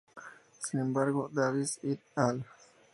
Sin embargo, Davis "et al.